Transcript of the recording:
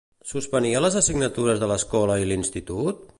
Suspenia les assignatures de l'escola i l'institut?